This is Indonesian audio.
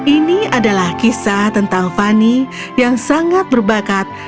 ini adalah kisah tentang fani yang sangat berbakat